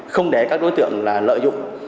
không để các đối tượng là lợi dụng